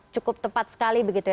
cukup tepat sekali begitu ya